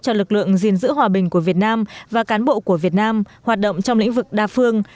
cho lực lượng gìn giữ hòa bình của việt nam và cán bộ của việt nam hoạt động trong lĩnh vực đa phương